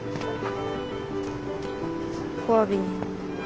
おわびに。